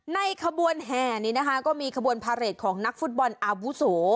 ขบวนแห่นี้นะคะก็มีขบวนพาเรทของนักฟุตบอลอาวุโส